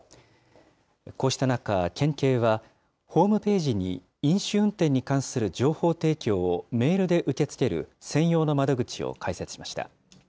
こうした中、県警はホームページに飲酒運転に関する情報提供をメールで受け付ける、専用の窓口を開設しました。